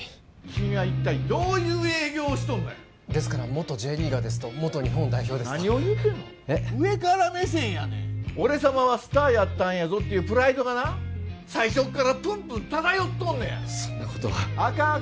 君は一体どういう営業をしとんのやですから元Ｊリーガーですと元日本代表ですと何を言うてんのえっ上から目線やねん俺様はスターやったんやぞっていうプライドがな最初っからプンプン漂っとんのやそんなことはあかん